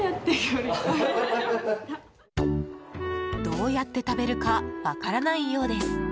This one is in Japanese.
どうやって食べるか分からないようです。